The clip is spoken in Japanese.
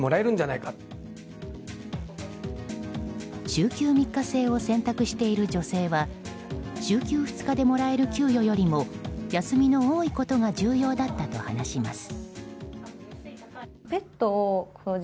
週休３日制を選択している女性は週休２日でもらえる給与よりも休みの多いことが重要だったと話します。